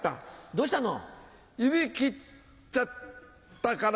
どうしたの？